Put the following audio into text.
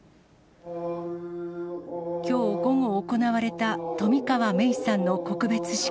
きょう午後行われた冨川芽生さんの告別式。